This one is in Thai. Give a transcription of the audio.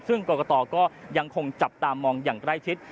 ซึ่งกรกตก็ยังคงจับตามองอย่างใกล้ชิด